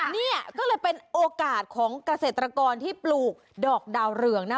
เนี่ยก็เลยเป็นโอกาสของเกษตรกรที่ปลูกดอกดาวเรืองนะ